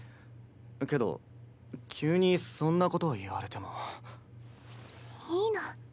けど急にそんなこと言われても。いいの。